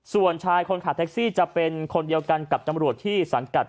ส่วนชายคนขับแท็กซี่จะเป็นคนเดียวกันกับตำรวจที่สังกัด